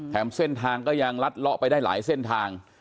เส้นทางก็ยังลัดเลาะไปได้หลายเส้นทาง